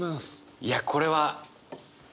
いやこれは。